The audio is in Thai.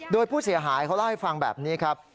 โดยผู้เสียหายเขาเล่าให้ฟังแบบนี้ครับ